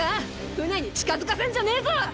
船に近づかせんじゃねえぞ！